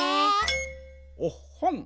おっほん！